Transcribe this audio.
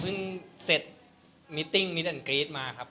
ขอบคุณมากสวัสดีครับ